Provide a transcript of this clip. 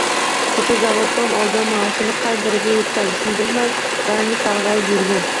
Kecha zavoddan olgan maoshini qay biriga yetkazishini bilmay rangi sarg’ayib yurgan